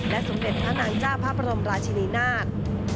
และสมเด็จพระนางจ้าพระพระรมราชินินาท